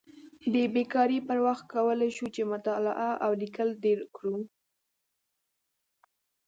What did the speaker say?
د بیکارۍ پر وخت کولی شو چې مطالعه او لیکل ډېر کړو.